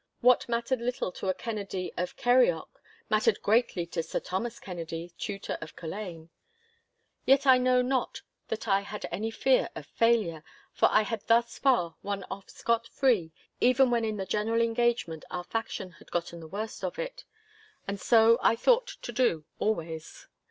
What mattered little to a Kennedy of Kirrieoch, mattered greatly to Sir Thomas Kennedy, Tutor of Culzean. Yet I know not that I had any great fear of failure, for I had thus far won off scot free, even when in the general engagement our faction had gotten the worst of it. And so I thought to do always.